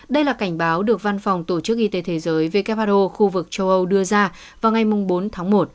đây là cảnh báo được văn phòng tổ chức y tế thế giới who khu vực châu âu đưa ra vào ngày bốn tháng một